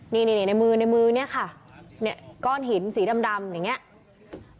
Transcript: นี่คนไหนมือในมือเนี่ยค่ะเนี่ยก้อนหินสีดำเงี้ย